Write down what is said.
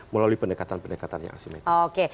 melalui pendekatan pendekatan yang asimetik